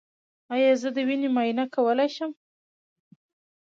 ایا زه د وینې معاینه کولی شم؟